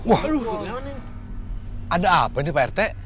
waduh ada apa nih pak rt